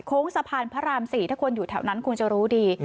สะพานพระราม๔ถ้าคนอยู่แถวนั้นคุณจะรู้ดี